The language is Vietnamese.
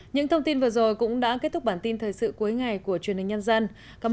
những thông tin vừa rồi cũng đã kết thúc bản tin thời sự cuối ngày của truyền hình nhân dân cảm